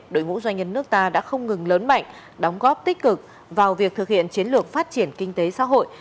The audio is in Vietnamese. đội ngũ doanh nhân nước ta đã không ngừng lớn mạnh đóng góp tích cực vào việc thực hiện chiến lược phát triển kinh tế xã hội